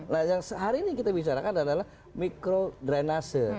nah yang sehari ini kita bicarakan adalah mikrodrainase